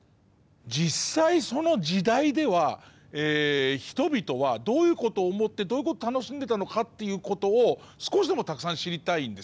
実際、その時代では人々は、どういうことを思ってどういうこと楽しんでたのかっていうことを、少しでもたくさん知りたいんですね。